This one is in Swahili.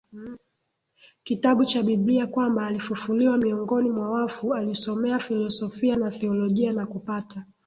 kitabu cha bibilia kwamba alifufuliwa miongoni mwa wafuAlisomea filosofia na thiolojia na kupata